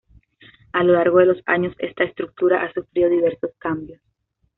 A lo largo de los años esta estructura ha sufrido diversos cambios.